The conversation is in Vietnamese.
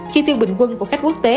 chi tiêu bình quân của khách quốc tế